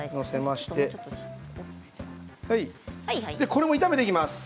これも炒めていきます。